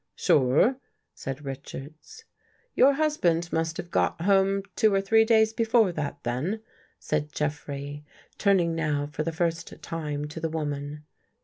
"" Sure," said Richards. " Your husband must have got home two or three days before that, then," said Jeffrey, turning now for the first time to the woman.